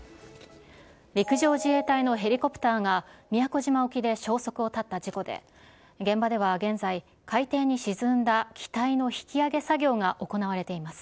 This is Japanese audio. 陸上自衛隊のヘリコプターが、宮古島沖で消息を絶った事故で、現場では現在、海底に沈んだ機体の引き揚げ作業が進んでいます。